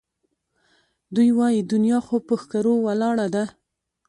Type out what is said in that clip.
دوی وایي دنیا خو پهٔ ښکرو ولاړه ده